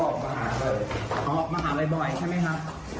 เขาออกมาหาเวลาออกมาหาบ่อยบ่อยใช่ไหมครับ